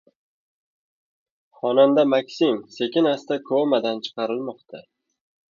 Xonanda MakSim sekin-asta komadan chiqarilmoqda